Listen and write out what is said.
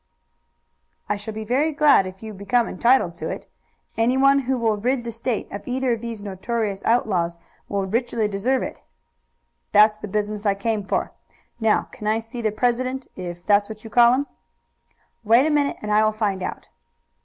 "I shall be very glad if you become entitled to it. Anyone who will rid the State of either of these notorious outlaws will richly deserve it." "That's the business I came about. Now can I see the president, if that's what you call him?" "Wait a minute and I will find out."